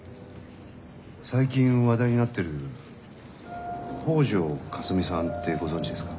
最近話題になってる「北條かすみさん」ってご存じですか？